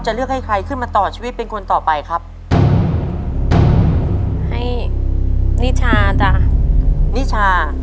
เลือกให้ใครขึ้นมาต่อชีวิตเป็นคนต่อไปครับให้นิชาจ้ะนิชา